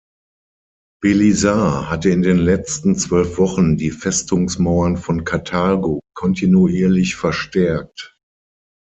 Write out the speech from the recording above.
Belisar hatte in den letzten zwölf Wochen die Festungsmauern von Karthago kontinuierlich verstärkt.